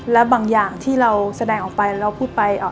แล้วบางอย่างที่เราแสดงออกไปเราพูดไป